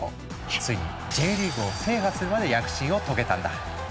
ついにＪリーグを制覇するまで躍進を遂げたんだ。